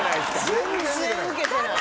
全然ウケてない。